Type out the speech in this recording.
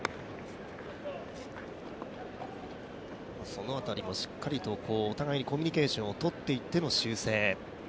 その辺りもしっかりと、お互いにコミュニケーションをとっていっての修正。